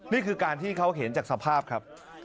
นี่คือการที่เขาเห็นจากสภาพครับ